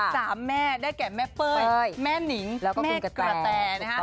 สามแม่ได้แก่แม่เป้ยแม่นิงแล้วก็แม่กระแตนะฮะ